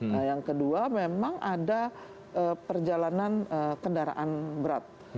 nah yang kedua memang ada perjalanan kendaraan berat